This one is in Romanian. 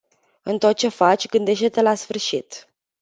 În tot ce faci, gândește-te la sfârșit.